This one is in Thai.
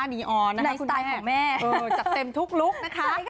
ดีออนนะให้แสดจัดเต็มทุกลุคนะคะใช่ค่ะ